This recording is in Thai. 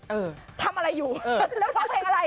เออทำอะไรอยู่แล้วร้องเพลงอะไร